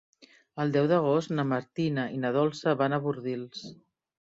El deu d'agost na Martina i na Dolça van a Bordils.